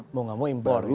mau gak mau imporin ya